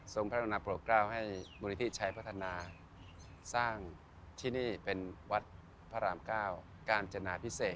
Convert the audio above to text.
พระรุณาโปรดเก้าให้มูลนิธิชัยพัฒนาสร้างที่นี่เป็นวัดพระรามเก้ากาญจนาพิเศษ